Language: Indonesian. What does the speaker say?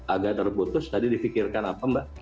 agak terputus tadi difikirkan apa mbak